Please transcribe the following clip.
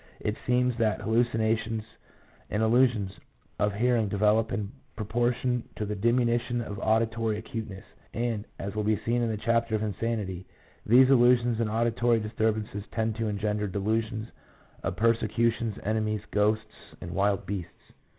It seems that hallucina tions and illusions of hearing develop in proportion to the diminution of auditory acuteness, and, as will be seen in the chapter on Insanity, these illusions and auditory disturbances tend to engender delusions of persecutions, enemies, ghosts, and wild beasts.